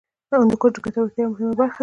هندوکش د ګټورتیا یوه مهمه برخه ده.